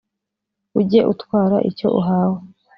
Ujye utwara icyo uhawe